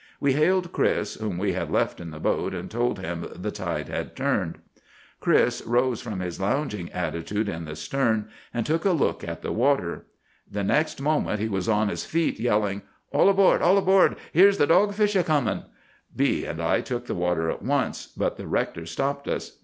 We hailed Chris, whom we had left in the boat, and told him the tide had turned. "Chris rose from his lounging attitude in the stern, and took a look at the water. The next moment he was on his feet, yelling, 'All aboard! all aboard! Here's the dogfish a comin'!' "B—— and I took the water at once, but the rector stopped us.